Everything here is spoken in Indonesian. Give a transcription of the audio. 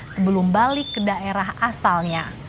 sebelum balik ke daerah asalnya